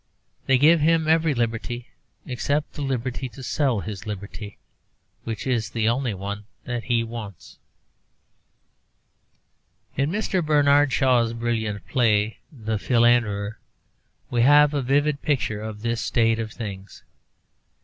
They give him every liberty except the liberty to sell his liberty, which is the only one that he wants. In Mr. Bernard Shaw's brilliant play 'The Philanderer,' we have a vivid picture of this state of things.